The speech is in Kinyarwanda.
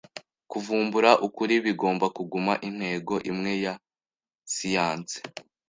Kuvumbura ukuri bigomba kuguma intego imwe ya siyanse.